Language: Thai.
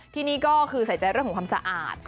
ที่นี่ก็คือใส่ใจเรื่องของความสะอาด